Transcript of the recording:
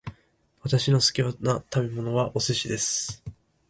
私の好きな食べ物はお寿司です